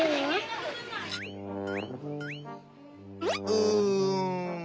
うん。